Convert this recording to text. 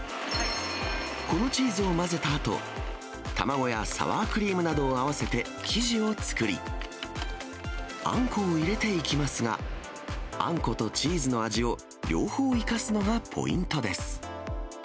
このチーズを混ぜたあと、卵やサワークリームなどを合わせて生地を作り、あんこを入れていきますが、あんことチーズの味を両方生かすのがポイントです。